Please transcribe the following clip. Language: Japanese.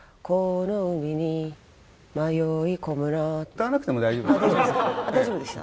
歌わなくても大丈夫ですよ。